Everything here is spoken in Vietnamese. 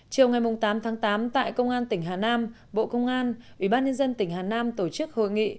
chiều ngày tám tháng tám tại công an tỉnh hà nam bộ công an ubnd tỉnh hà nam tổ chức hội nghị